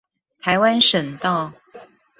台灣省道